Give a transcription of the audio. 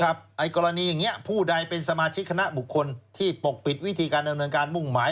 ไอ้กรณีอย่างนี้ผู้ใดเป็นสมาชิกคณะบุคคลที่ปกปิดวิธีการดำเนินการมุ่งหมาย